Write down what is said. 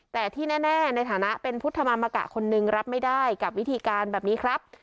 แต่ที่แน่ในฐานะเป็นพุทธมามกะคนนึงรับไม่ได้กับวิธีการแบบนี้ครับ